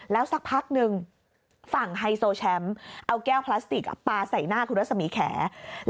แล้วสักพักหนึ่งฝั่งไฮโซแชมป์เอาแก้วพลาสติกปลาใส่หน้าคุณรัศมีแข